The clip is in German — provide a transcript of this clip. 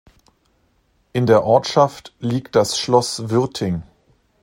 In der Ortschaft liegt das Schloss Würting.